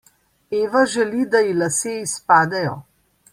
Eva želi, da ji lase izpadejo.